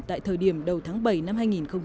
tại thời điểm đầu tháng bảy năm hai nghìn một mươi sáu